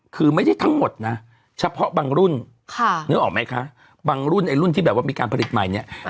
คือไม่ได้ทั้งหมดนะเฉพาะบางรุ่นนึกออกไหมคะบางรุ่นไอ้รุ่นที่แบบว่ามีการผลิตใหม่เนี่ย